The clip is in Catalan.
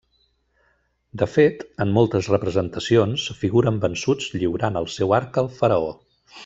De fet, en moltes representacions figuren vençuts lliurant el seu arc al faraó.